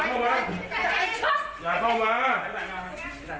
อย่าเข้ามา